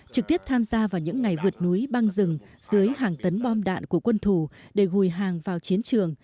trực tiếp tham gia vào những ngày vượt núi băng rừng dưới hàng tấn bom đạn của quân thủ để gùi hàng vào chiến trường